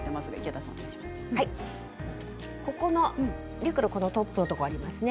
リュックのトップのところがありますね。